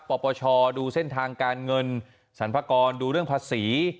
ปปชดูเส้นทางการเงินสรรพากรดูเรื่องภาษี